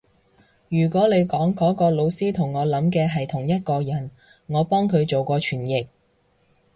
如果你講嗰個老師同我諗嘅係同一個人，我幫佢做過傳譯